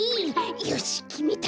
よしきめた！